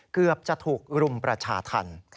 เกือบจะถูกรุมประชาธรรม